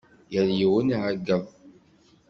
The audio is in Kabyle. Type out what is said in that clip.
Yal yiwen iɛeggeḍ.